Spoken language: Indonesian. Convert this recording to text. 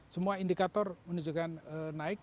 semua indikator menunjukkan naik